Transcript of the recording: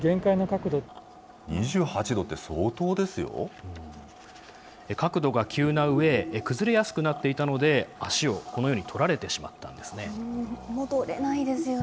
角度が急なうえ、崩れやすくなっていたので、足をこのように取られてしまったんですね。